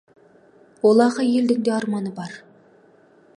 Олақ әйелдің де арманы бар.